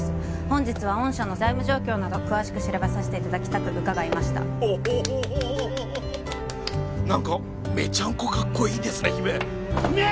本日は御社の財務状況など詳しく調べさせていただきたく伺いましたおっほほほ何かメチャンコかっこいいですね姫姫！